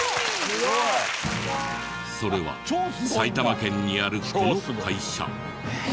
すごい！それは埼玉県にあるこの会社。